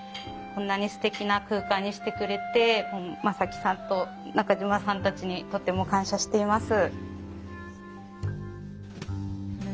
こんなにすてきな空間にしてくれて真己さんと中島さんたちにとても感謝しています。